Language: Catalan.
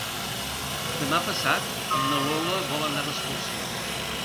Demà passat na Lola vol anar d'excursió.